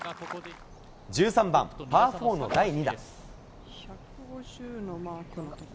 １３番パー４の第２打。